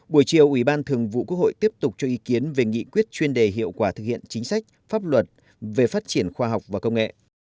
buổi chiều ủy ban thường vụ quốc hội tiếp tục cho ý kiến về nghị quyết chuyên đề hiệu quả thực hiện chính sách pháp luật về phát triển khoa học và công nghệ